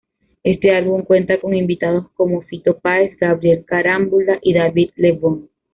Este álbum cuenta con invitados como Fito Páez, Gabriel Carámbula y David Lebón.